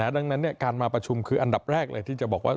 ดังนั้นการมาประชุมคืออันดับแรกเลยที่จะบอกว่า